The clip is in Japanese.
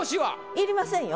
いりませんよ。